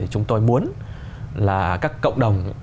chúng tôi muốn là các cộng đồng